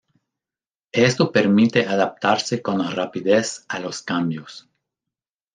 Esto permite adaptarse con rapidez a los cambios.